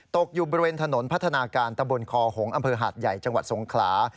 ตกอยู่บริเวณถนนพัฒนาการตะบนคอหงษ์อำเภอหาดใหญ่จังหวัดสงขลา